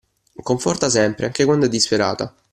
Conforta sempre, anche quando è disperata